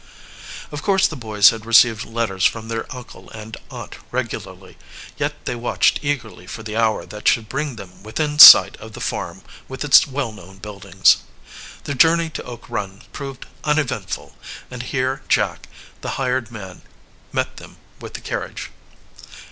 Of course the boys had received letters from their uncle and aunt regularly, yet they watched eagerly for the hour that should bring them within sight of the farm with its well known buildings. The journey to Oak Run proved uneventful, and here Jack, the hired man, met them with the carriage.